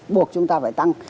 buộc chúng ta phải tăng